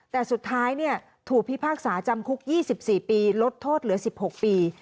แต่สุดท้ายถูกพิพากษาจำคุก๒๔ปีลดโทษเหลือ๑๖ปี